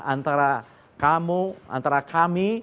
antara kamu antara kami